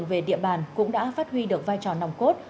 tăng cường về địa bàn cũng đã phát huy được vai trò nòng cốt